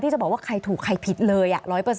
จะบอกว่าใครถูกใครผิดเลย๑๐๐